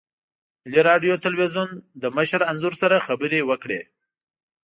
ملي راډیو تلویزیون له مشر انځور سره خبرې وکړې.